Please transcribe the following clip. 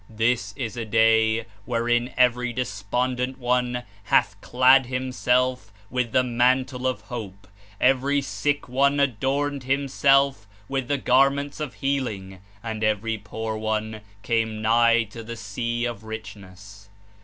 This is a day where in every despondent one hath clad himself with the mantle of hope, every sick one adorned himself with the garments of healing, and every poor one came nigh to the Sea of Richness.